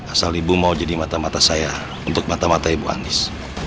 asal ibu mau jadi mata mata saya untuk mata mata ibu anies